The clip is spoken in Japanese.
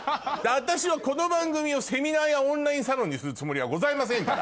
私はこの番組をセミナーやオンラインサロンにするつもりはございませんから。